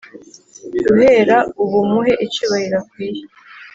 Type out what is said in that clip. guhera ubu muhe icyubahiro akwiye